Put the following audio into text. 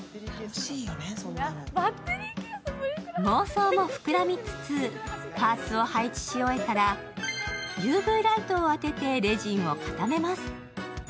妄想も膨らみつつ、パーツを配置し終えたら、ＵＶライトを当ててレジンを固めます。